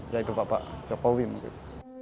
yaitu bapak jokowi mungkin